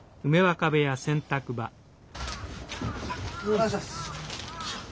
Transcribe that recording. お願いします。